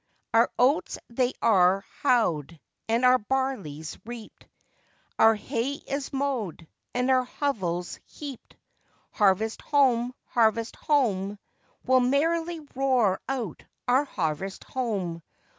'] OUR oats they are howed, and our barley's reaped, Our hay is mowed, and our hovels heaped; Harvest home! harvest home! We'll merrily roar out our harvest home!